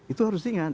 itu harus diingat